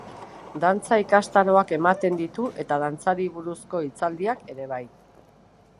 Dantza ikastaroak ematen ditu, eta dantzari buruzko hitzaldiak ere bai.